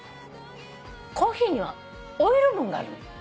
コーヒーにはオイル分がある。